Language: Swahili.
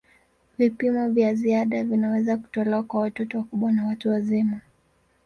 Vipimo vya ziada vinaweza kutolewa kwa watoto wakubwa na watu wazima.